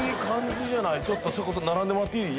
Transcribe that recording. ちょっとそこ並んでもらっていい？